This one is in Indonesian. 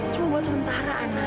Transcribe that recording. cuma buat sementara ana